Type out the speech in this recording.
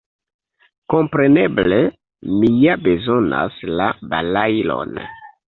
Kompreneble, mi ja bezonas la balailon.